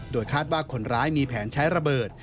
โดยคาดว่าคนร้ายมีแผนใช้ระเบิด